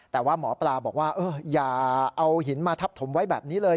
แต่ว่าหมอปลาบอกว่าอย่าเอาหินมาทับถมไว้แบบนี้เลย